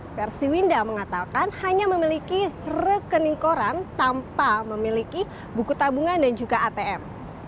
versi winda mengatakan hanya memiliki rekening koran tanpa memiliki buku tabungan dan juga atm